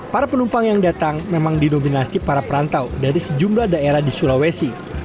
para penumpang yang datang memang didominasi para perantau dari sejumlah daerah di sulawesi